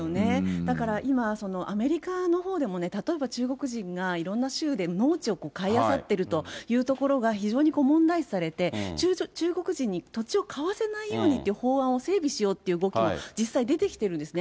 だから今、アメリカのほうでもね、例えば中国人がいろんな州で農地を買いあさっているというところが非常に問題視されて、中国人に土地を買わせないというように法案を整備しようっていう動きも実際出てきているんですね。